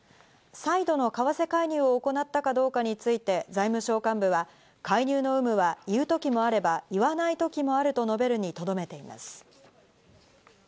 再度の為替介入を行ったかどうかについて財務省幹部は、介入の有無は言う時もあれば言わない時もあると述べるにとどめています。